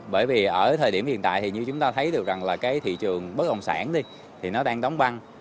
bởi vì ở thời điểm hiện tại thì như chúng ta thấy được rằng là cái thị trường bất động sản thì nó đang đóng băng